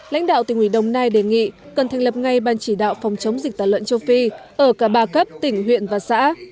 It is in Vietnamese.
lãnh đạo tỉnh ủy đồng nai đề nghị cần thành lập ngay ban chỉ đạo phòng chống dịch tả lợn châu phi ở cả ba cấp tỉnh huyện và xã